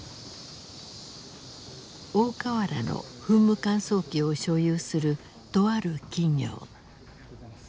大川原の噴霧乾燥機を所有するとある企業。